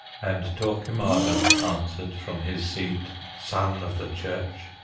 And Torquemada answered from his seat, "Son of the Church!